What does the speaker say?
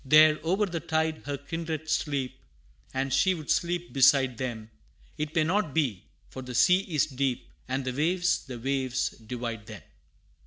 There, o'er the tide, her kindred sleep, And she would sleep beside them It may not be! for the sea is deep, And the waves the waves divide them!